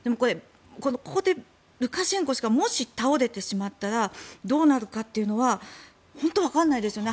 ここでルカシェンコ氏がもし倒れてしまったらどうなるかというのは本当にわからないですよね。